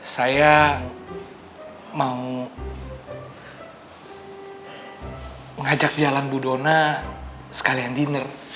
saya mau ngajak jalan bu dona sekalian diner